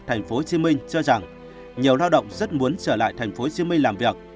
tp hcm cho rằng nhiều lao động rất muốn trở lại tp hcm làm việc